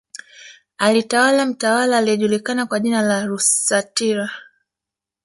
Alitawala mtawala aliyejuliakana kwa jina la Rusatira